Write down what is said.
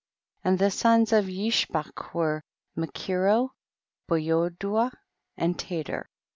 4. And the sons of Yishbak were Makiro, Beyodua and Tator.